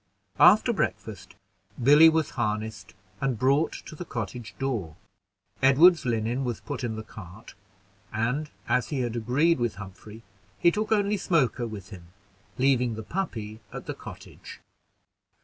After breakfast, Billy was harnessed and brought to the cottage door. Edward's linen was put in the cart, and as he had agreed with Humphrey, he took only Smoker with him, leaving the puppy at the cottage.